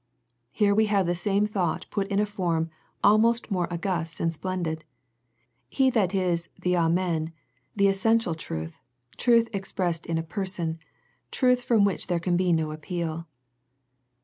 Here we have the same thought put in a form, almost more august and splendid. He that is " the Amen," the essen tial truth, truth expressed in a Person, truth from which there can be no appeal.